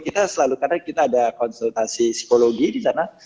kita selalu karena kita ada konsultasi psikologi di sana